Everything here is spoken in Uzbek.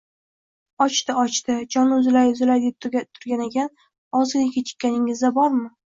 -Ochdi, ochdi, joni uzilay-uzilay deb turganakan, ozgina kechikkaningizda bormi…